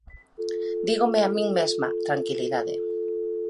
Dígome a min mesma tranquilidade.